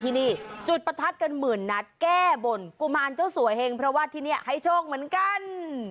ที่นี่จุดประทัดกันหมื่นนัดแก้บนกุมารเจ้าสัวเฮงเพราะว่าที่นี่ให้โชคเหมือนกัน